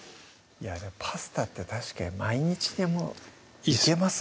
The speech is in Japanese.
パスタって確かに毎日でもいけます